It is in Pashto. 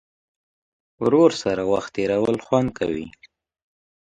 ورور سره وخت تېرول خوند کوي.